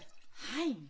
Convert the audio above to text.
はい。